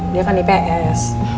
dia akan di ps